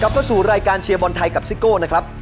เข้าสู่รายการเชียร์บอลไทยกับซิโก้นะครับ